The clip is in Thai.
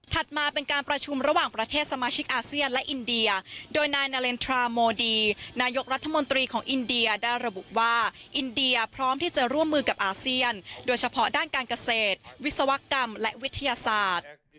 มาเป็นการประชุมระหว่างประเทศสมาชิกอาเซียนและอินเดียโดยนายนาเลนทราโมดีนายกรัฐมนตรีของอินเดียได้ระบุว่าอินเดียพร้อมที่จะร่วมมือกับอาเซียนโดยเฉพาะด้านการเกษตรวิศวกรรมและวิทยาศาสตร์